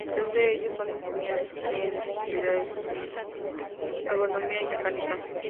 Tres de ellos son ingenieros, en especialidades civil, agronomía y mecánica.